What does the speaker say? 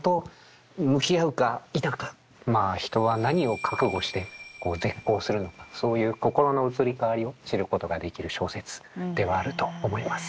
まあ人は何を覚悟して絶交するのかそういう心の移り変わりを知ることができる小説ではあると思います。